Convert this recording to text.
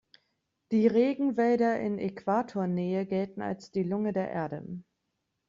Die Regenwälder in Äquatornähe gelten als die Lunge der Erde.